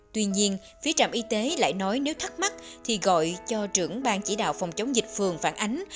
tuy nhiên phía trạm y tế lại nói nếu thắc mắc thì gọi cho trưởng bang chỉ đạo phòng chống dịch phường phản ánh